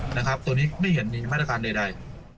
ตรงนี้ไม่เห็นมีมาตรการใด